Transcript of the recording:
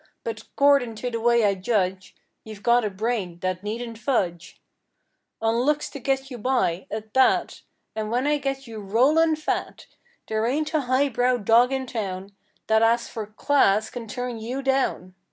But 'cordin' to the way I judge You've got a brain that needn't fudge On looks to get you by, at that, And when I get you rollin' fat There ain't a high brow dog in town That as for "class" can turn you down!